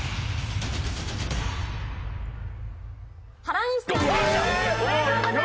原西さんです。